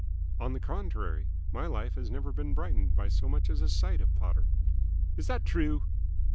"On the contrary. My life has never been brightened by so much as a sight of Potter." "Is that true?"